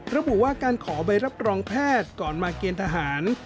ระบุว่าการขอใบรับรองแพทย์ก่อนมาเกณฑ์ทหาร